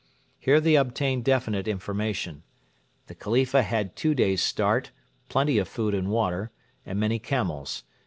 Here they obtained definite information. The Khalifa had two days' start, plenty of food and water, and many camels.